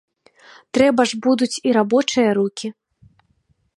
Трэба ж будуць і рабочыя рукі.